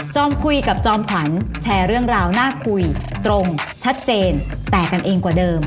คุยกับจอมขวัญแชร์เรื่องราวน่าคุยตรงชัดเจนแตกกันเองกว่าเดิม